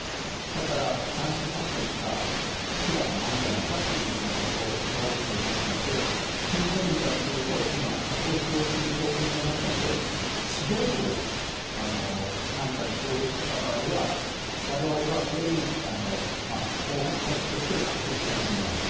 だから斬首作戦しか手段はないんじゃないかっていうふうなことをいわれてますので、キム・ジョンウンからすると、今、核を使用する条件の中で、指導部を何かで攻撃した場合は、われわれはそれに報復措置として核を使用するんだと。